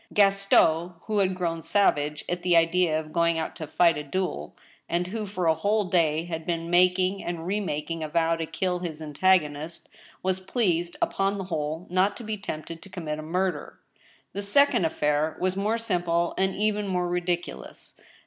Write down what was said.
Gaston, who had grown savage at the idea of going out to fight a duel and who, for a whole day, had been making and remaking a vow to kill his antagonist, was pleased, upon the whole, not to be tempted to commit a murder. The second affair was more simple and even more ridiculous.